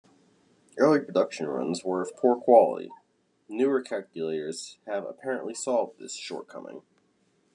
Early production runs were of poor quality; newer calculators have apparently solved this shortcoming.